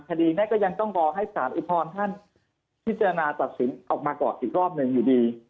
คดีนี้ก็ยังต้องรอให้สารอุทธรณ์ท่านพิจารณาตัดสินออกมาก่อนอีกรอบหนึ่งอยู่ดี